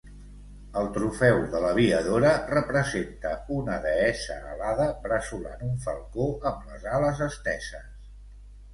El trofeu de l'aviadora representa una deessa alada bressolant un falcó amb les ales esteses.